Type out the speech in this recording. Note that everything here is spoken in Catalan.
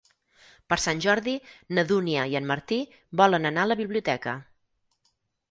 Per Sant Jordi na Dúnia i en Martí volen anar a la biblioteca.